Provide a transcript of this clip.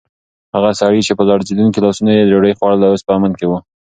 هغه سړی چې په لړزېدونکو لاسونو یې ډوډۍ خوړله، اوس په امن کې و.